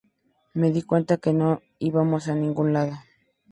Me di cuenta que no íbamos a ningún lado.